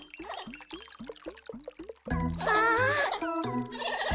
ああ。